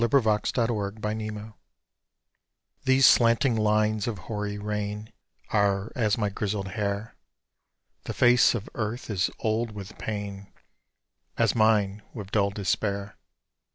EARTH'S TEARS AND MAN'S These slanting lines of hoary rain Are as my grizzled hair; The face of earth is old with pain As mine with dull despair.